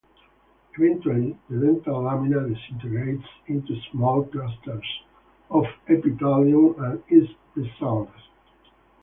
Eventually, the dental lamina disintegrates into small clusters of epithelium and is resorbed.